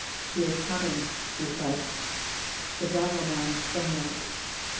"He is coming," she said. The dragoman sprang up.